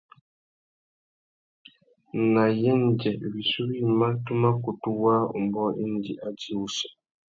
Nà yêndzê wissú wïmá tu mà kutu waā umbōh indi a djï wussi.